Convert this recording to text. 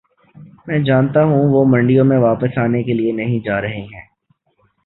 میں جانتا ہوں وہ منڈیوں میں واپس آنے کے لیے نہیں جا رہے ہیں